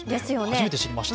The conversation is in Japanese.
初めて知りました。